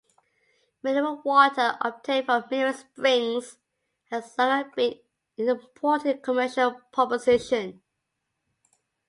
Mineral water obtained from mineral springs has long been an important commercial proposition.